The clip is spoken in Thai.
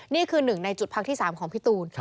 นี่คือหนึ่งในจุดพักที่๓ของพี่ตูน